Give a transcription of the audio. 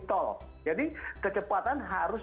tol jadi kecepatan harus